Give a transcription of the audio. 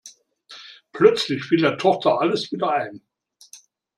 Plötzlich fiel der Tochter alles wieder ein.